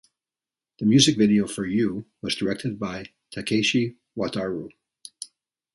The music video for "You" was directed by Takeishi Wataru.